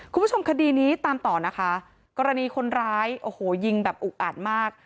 คุณผู้ชมคดีนี้ตามต่อนะคะกรณีคนร้ายโอ้โหยิงแบบอุกอาดมาก